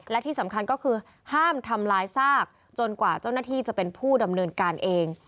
และที่สำคัญก็คือห้ามทำลายซากจนกว่าเจ้าหน้าที่จะเป็นผู้ดำเนินการเอง